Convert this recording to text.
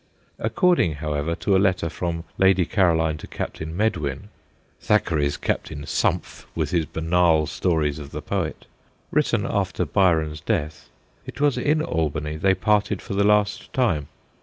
According, however, to a letter from Lady Caroline to Captain Medwin Thackeray's Captain Sumph, with his banal stories of the poet written after Byron's death, it was in Albany they parted for the last time.